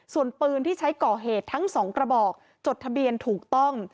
ส่วนปืนที่ใช้ก่อเหตุทั้งสองกระบอกจดทะเบียนถูกต้อง